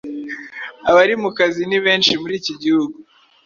Abarimukazi ni benshi muri ki Gihugu.